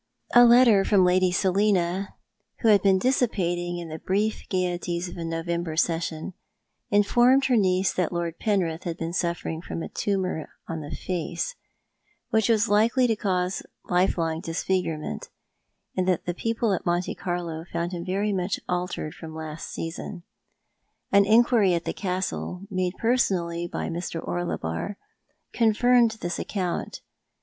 A letter from Lady Sclina, who had been dissipating in the brief gaieties of a November session, informed her niece that Lord Penrith had been suflfering from a tumour on the face, which was likely to cause lifelong disfigurement, and that people at Monte Carlo found him very much altered from last season. An inquiry at the Castle, made personally by Mr. Orlebar, confirmed this account.